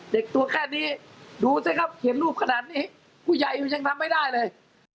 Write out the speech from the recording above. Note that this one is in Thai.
เด็กตัวแค่นี้ดูสิครับเห็นรูปขนาดนี้ผู้ใหญ่อยู่ยังทำไม่ได้เลย